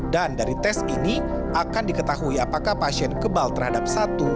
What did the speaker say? dan dari tes ini akan diketahui apakah pasien kebal terhadap obat